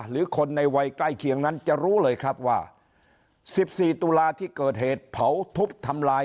หรือคนในวัยใกล้เคียงนั้นจะรู้เลยครับว่า๑๔ตุลาที่เกิดเหตุเผาทุบทำลาย